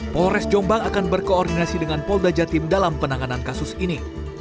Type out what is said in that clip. polres jombang akan berkoordinasi dengan polda jatim dalam penanganan kasus ini